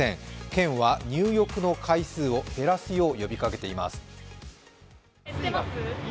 県は入浴の回数を減らすよう呼びかけています。